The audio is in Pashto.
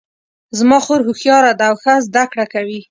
زما خور هوښیاره ده او ښه زده کړه کوي